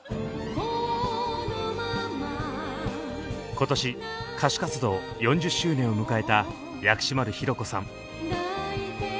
今年歌手活動４０周年を迎えた薬師丸ひろ子さん。